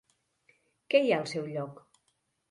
Què hi ha al seu lloc?